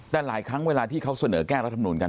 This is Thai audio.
แต่หลายครั้งเวลาที่เขาเสนอแก้รัฐมนูลกัน